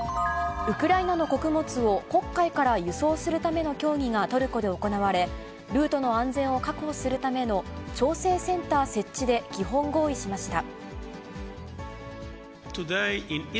ウクライナの穀物を黒海から輸送するための協議がトルコで行われ、ルートの安全を確保するための調整センター設置で基本合意しました。